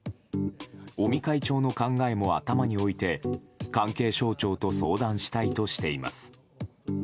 尾身会長の考えも頭に置いて関係省庁と相談したいとしています。